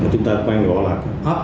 chúng ta quay gọi là app